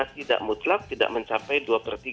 tidak mutlak tidak mencapai dua per tiga